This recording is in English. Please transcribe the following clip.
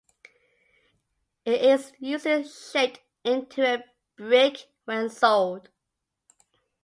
It is usually shaped into a brick when sold.